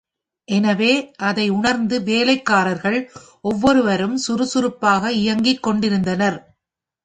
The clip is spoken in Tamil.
எனவே அதை உணர்ந்து வேலைக்காரர்கள் ஒவ்வொரு வரும் சுறுசுறுப்பாக இயங்கிக் கொண்டிருந்தனர்.